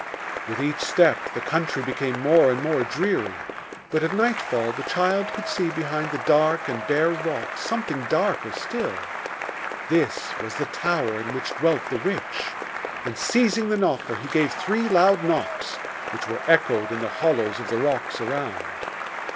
With each step the country became more and more dreary, but at nightfall the child could see behind the dark and bare rocks something darker still. This was the tower in which dwelt the witch; and seizing the knocker he gave three loud knocks, which were echoed in the hollows of the rocks around.